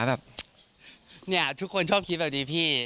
แบบเนี่ยทุกคนชอบคิดแบบนี้พี่